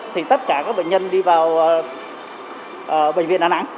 thì tất cả các bệnh nhân đi vào bệnh viện đà nẵng